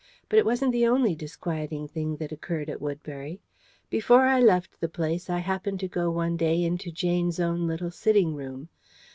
But it wasn't the only disquieting thing that occurred at Woodbury. Before I left the place I happened to go one day into Jane's own little sitting room.